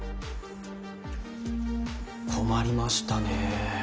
困りましたねえ。